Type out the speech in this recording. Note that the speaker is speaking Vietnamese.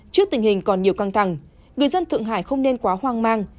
trước tình hình còn nhiều căng thẳng người dân thượng hải không nên quá hoang mang